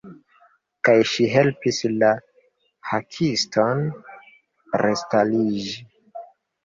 Kaj ŝi helpis la Hakiston restariĝi.